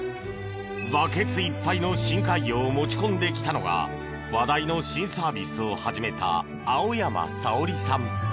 バケツいっぱいの深海魚を持ち込んできたのが話題の新サービスを始めた青山沙織さん。